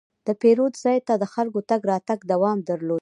د پیرود ځای ته د خلکو تګ راتګ دوام درلود.